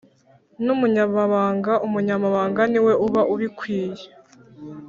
n umunyamabanga Umunyamabanga niwe uba ubikwiye